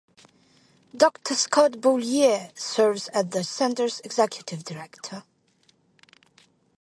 Doctor Scott Beaulier serves as the center's executive director.